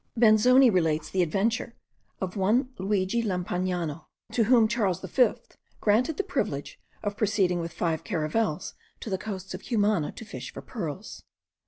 Benzoni* relates the adventure of one Luigi Lampagnano, to whom Charles the Fifth granted the privilege of proceeding with five caravels to the coasts of Cumana to fish for pearls.